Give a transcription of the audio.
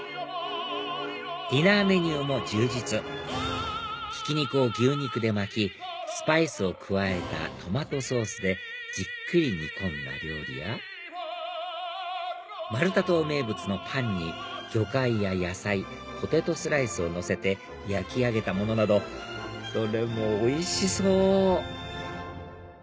ディナーメニューも充実ひき肉を牛肉で巻きスパイスを加えたトマトソースでじっくり煮込んだ料理やマルタ島名物のパンに魚介や野菜ポテトスライスをのせて焼き上げたものなどどれもおいしそう！